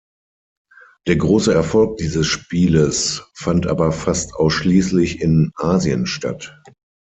Der große Erfolg dieses Spieles fand aber fast ausschließlich in Asien statt.